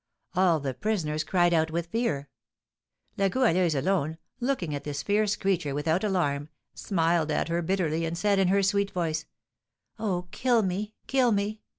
All the prisoners cried out with fear; La Goualeuse alone, looking at this fierce creature without alarm, smiled at her bitterly and said, in her sweet voice, 'Oh, kill me! Kill me!